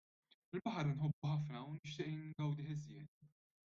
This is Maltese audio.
Il-baħar inħobbu ħafna u nixtieq ingawdih iżjed.